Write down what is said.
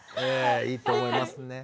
いいと思いますね。